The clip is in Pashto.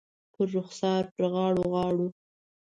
پر رخسار، پر غاړو ، غاړو